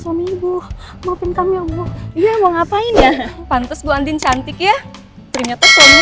suami ibu maafin kami ya iya mau ngapain ya pantas gua andin cantik ya ternyata suaminya